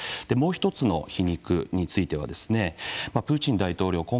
もう一つの皮肉についてはプーチン大統領